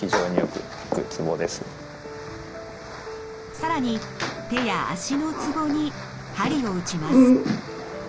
更に手や足のツボに鍼を打ちます。